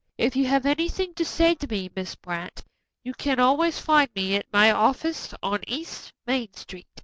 If you have anything to say to me, Miss Brant, you can always find me at my office on East Main Street.